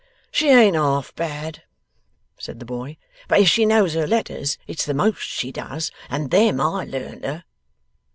'She ain't half bad,' said the boy; 'but if she knows her letters it's the most she does and them I learned her.